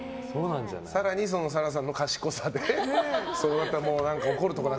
更に紗来さんの賢さで怒るところが